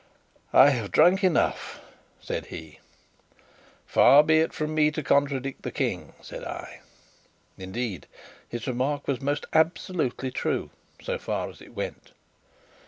"I have drunk enough," said he. "Far be it from me to contradict the King," said I. Indeed, his remark was most absolutely true so far as it went.